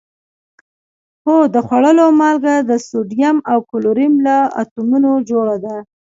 هو د خوړلو مالګه د سوډیم او کلورین له اتومونو جوړه ده